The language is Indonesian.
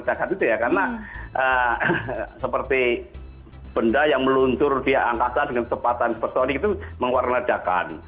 lejakan itu ya karena seperti benda yang meluncur di angkasa dengan kecepatan spesifik itu mengeluarkan lejakan